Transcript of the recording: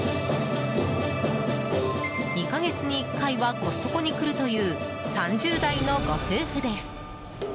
２か月に１回はコストコに来るという３０代のご夫婦です。